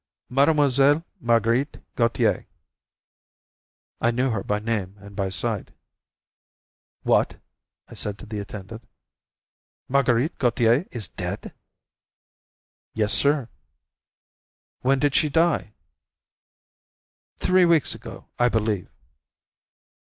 "Mademoiselle Marguerite Gautier." I knew her by name and by sight. "What!" I said to the attendant; "Marguerite Gautier is dead?" "Yes, sir." "When did she die?" "Three weeks ago, I believe."